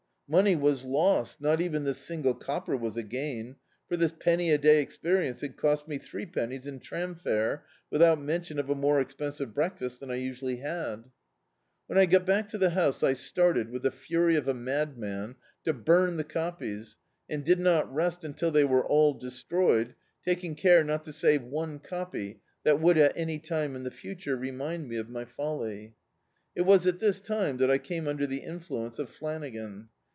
Money was lost, not even diis single copper was a gain; for this penny a day experience had cost me three pennies in tram fare, without mention of a more expensive breakfast than I usually had. D,i.,.db, Google The Autobiography of a Super Tramp When I got back to the house I started, with the fury of a madman, to bum the copies, and did not rest until they were all destroyed, taking care not to save one copy that would at any time in the future remind me of my folly. It was at this time that I came under the influence of Flanagan.